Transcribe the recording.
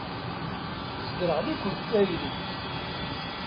Tesderɣel-ikent tayri.